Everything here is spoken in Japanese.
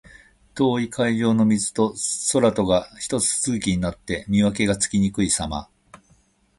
遠い海上の水と空とがひと続きになって、見分けがつきにくいさま。